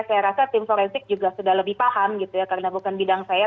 saya rasa tim forensik juga sudah lebih paham gitu ya karena bukan bidang saya